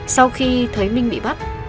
sau khi thấy minh bị bắt